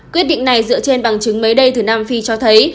quyết định này dựa trên bằng chứng mới đây từ nam phi cho thấy